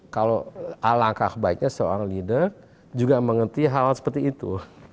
kalau alangkah baiknya seorang leader juga mengerti hal hal seperti itu